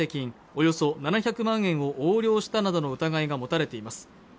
およそ７００万円を横領したなどの疑いが持たれています